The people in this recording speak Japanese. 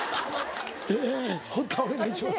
堀田お願いします。